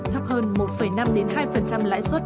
thấp hơn một năm hai lãi xuất